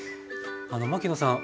牧野さん